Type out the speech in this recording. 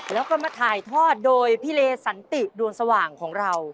แล้วก็มาถ่ายทอดโดยพี่เลสันติดวงสว่างของเรา